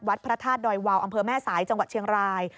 พระธาตุดอยวาวอำเภอแม่สายจังหวัดเชียงราย